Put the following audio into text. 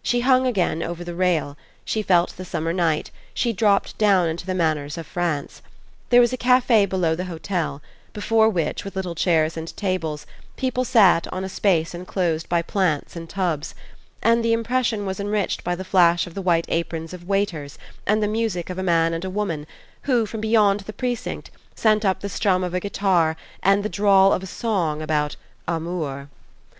She hung again over the rail; she felt the summer night; she dropped down into the manners of France. There was a café below the hotel, before which, with little chairs and tables, people sat on a space enclosed by plants in tubs; and the impression was enriched by the flash of the white aprons of waiters and the music of a man and a woman who, from beyond the precinct, sent up the strum of a guitar and the drawl of a song about "amour."